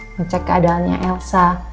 mecek keadaannya elsa